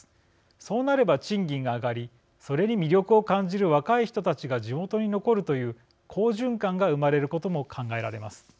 そうなれば賃金が上がりそれに魅力を感じる若い人たちが地元に残るという好循環が生まれることも考えられます。